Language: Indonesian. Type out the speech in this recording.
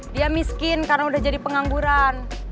dia miskin karena udah jadi pengangguran